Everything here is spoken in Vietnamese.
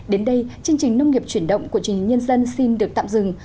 đến đây chương trình nông nghiệp chuyển động của truyền hình nhân dân xin được tạm dừng